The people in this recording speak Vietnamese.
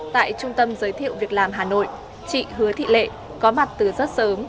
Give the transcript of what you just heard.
tại trung tâm giới thiệu việc làm hà nội chị hứa thị lệ có mặt từ rất sớm